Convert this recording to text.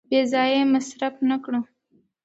بې ځایه یې مصرف نه کړو.